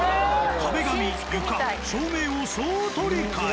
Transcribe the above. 壁紙床照明を総取り替え。